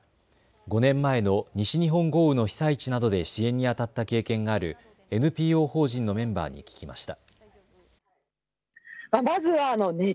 ５年前の西日本豪雨の被災地などで支援にあたった経験があるＮＰＯ法人のメンバーに聞きました。